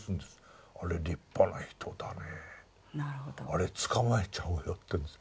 あれ捕まえちゃおうよっていうんです。